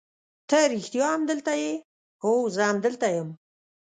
ته رښتیا هم دلته یې؟ هو زه همدلته یم.